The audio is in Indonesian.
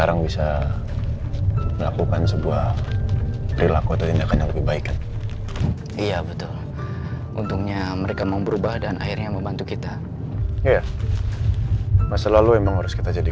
yang bisa tega nyeblosin sahabatnya sendiri dalam kerja